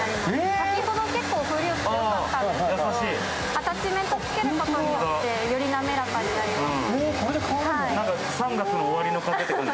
先ほど、結構、風量強かったんですけど、アタッチメントをつけることによって、より滑らかになります。